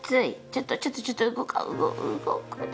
ちょっとちょっとちょっと動かん動くな。